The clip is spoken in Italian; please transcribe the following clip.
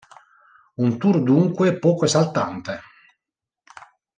Un tour dunque poco esaltante.